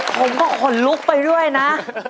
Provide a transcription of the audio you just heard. ผมก็ขนลุกไปด้วยนะ